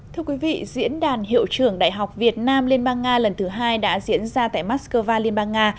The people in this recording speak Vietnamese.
thưa quý vị diễn đàn hiệu trưởng đại học việt nam liên bang nga lần thứ hai đã diễn ra tại moscow liên bang nga